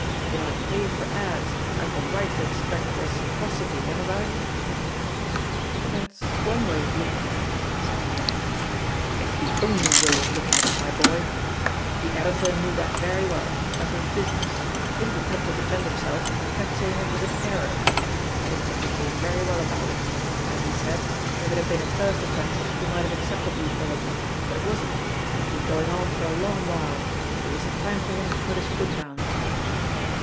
If I pay for ads, I've the right to expect reciprocity, haven't I?"' "That's one way of looking at it, said the! author. "It's the ofdj/ way of looking at it, my boy; the editor knew that very well — ^matter of busi ness. Didn't attempt to defend himself, kept saying it was an *error.* Picton behaved very well about it. As he said, if it had been a first offence he might have accepted the apology, but it wasn't; it's been going on for a long while, it was time for him to put his foot down.